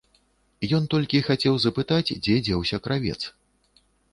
Ён толькі хацеў запытаць, дзе дзеўся кравец.